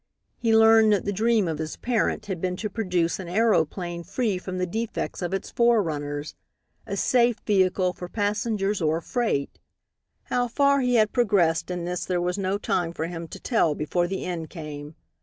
He learned that the dream of his parent had been to produce an aeroplane free from the defects of its forerunners, a safe vehicle for passengers or freight. How far he had progressed in this there was no time for him to tell before the end came.